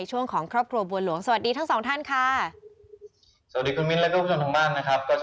ตอนบ่ายก็